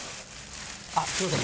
あっすみません